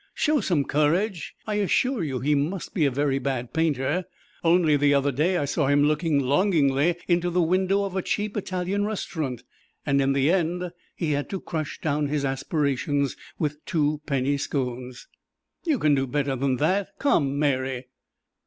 Show some courage. I assure you he must be a very bad painter; only the other day I saw him looking longingly into the window of a cheap Italian restaurant, and in the end he had to crush down his aspirations with two penny scones. You can do better than that. Come, Mary.